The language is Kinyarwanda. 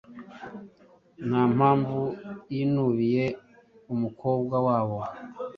Ntampamvu yinubiye umukobwa wabo